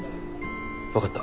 分かった。